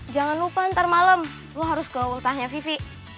jangan lupa ntar malem lo harus ke kultahnya vivi